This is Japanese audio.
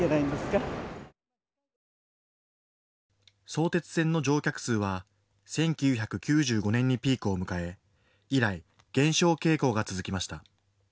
相鉄線の乗客数は１９９５年にピークを迎え、以来、減少傾向が続きました。